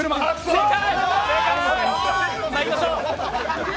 正解！